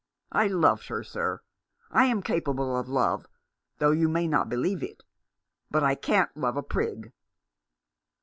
I loved her, sir. I am capable of love, though you may not believe it. But I can't love a prig."